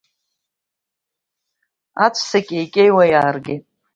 Аҵәца кеикеиуа иааргеит.